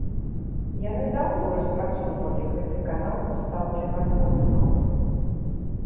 Яны даўно распрацоўвалі гэты канал пастаўкі наркотыкаў.